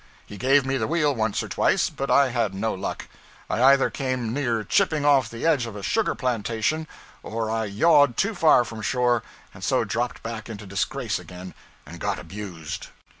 He gave me the wheel once or twice, but I had no luck. I either came near chipping off the edge of a sugar plantation, or I yawed too far from shore, and so dropped back into disgrace again and got abused.